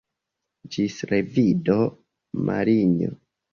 Ĝis revido, Marinjo.